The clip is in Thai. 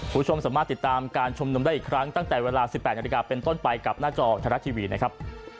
คุณผู้ชมสามารถติดตามการชุมนุมได้อีกครั้งตั้งแต่เวลา๑๘นาฬิกาเป็นต้นไปกับหน้าจอไทยรัฐทีวีนะครับ